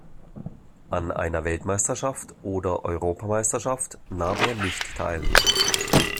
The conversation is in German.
An einer Weltmeisterschaft oder Europameisterschaft nahm er nicht teil.